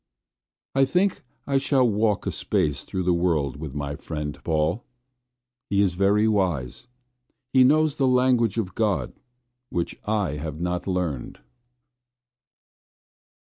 I think I shall walk a space through the world with my friend Paul. He is very wise, he knows the language of God which I have not learned.